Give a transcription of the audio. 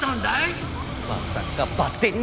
まさかバッテリー切れ